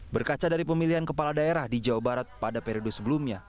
berkaca dari pemilihan kepala daerah di jawa barat pada periode sebelumnya